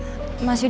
catherine tunggu dulu